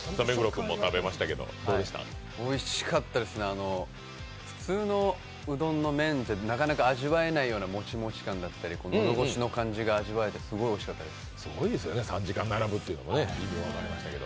おいしかったですね、普通のうどんの麺ではなかなか味わえないようなもちもち感だったりのどごしの感じが味わえて、すごいですよね３時間並ぶって。